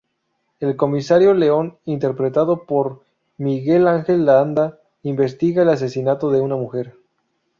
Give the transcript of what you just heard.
El comisario León, interpretado por Miguel Ángel Landa, investiga el asesinato de una mujer.